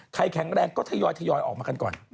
แข็งแรงก็ทยอยออกมากันก่อน